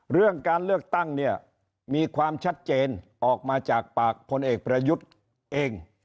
เรื่องการเลือกตั้งเนี่ยมีความชัดเจนออกมาจากปากพลเอกประยุทธ์เอง